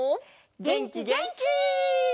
げんきげんき！